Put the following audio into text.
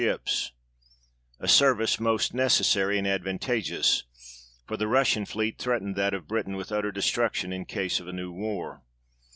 9 ships a service most necessary and advantageous, for the Russian fleet threatened that of Britain with utter destruction in case of a new war.